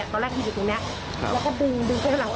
ตอนแรกที่อยู่ตรงนี้แล้วก็ดึงดึงขึ้นข้างหลัง